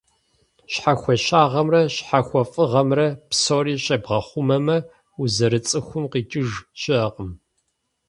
Щхьэхуещагъэмрэ щхьэхуэфӀыгъэмрэ псори щӀебгъэхъумэмэ, узэрыцӀыхум къикӀыж щыӀэкъым.